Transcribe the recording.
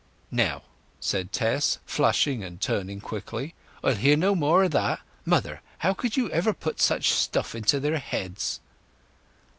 "Now," said Tess, flushing and turning quickly, "I'll hear no more o' that! Mother, how could you ever put such stuff into their heads?"